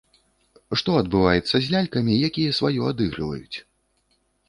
Што адбываецца з лялькамі, якія сваё адыгрываюць?